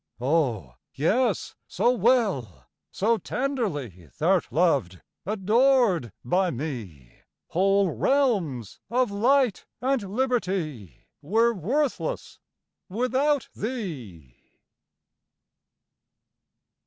Oh, yes, so well, so tenderly Thou'rt loved, adored by me, Whole realms of light and liberty Were worthless without thee.